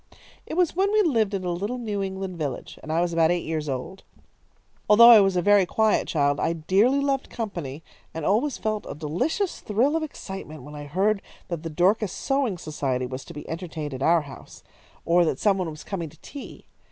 "It was when we lived in a little New England village, and I was about eight years old. Although I was a very quiet child, I dearly loved company, and always felt a delicious thrill of excitement when I heard that the Dorcas Sewing Society was to be entertained at our house, or that some one was coming to tea.